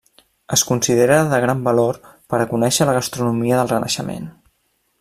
Es considera de gran valor per a conèixer la gastronomia del Renaixement.